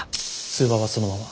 通話はそのまま。